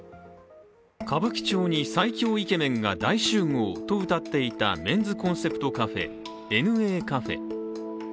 「歌舞伎町に最強イケメンが大集合」とうたっていたメンズコンセプトカフェ、ＮＡカフェ。